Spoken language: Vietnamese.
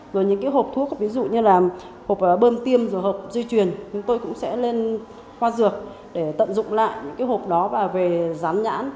rồi những hộp thuốc ví dụ như là hộp bơm tiêm rồi hộp di truyền chúng tôi cũng sẽ lên khoa dược để tận dụng lại những cái hộp đó và về dán nhãn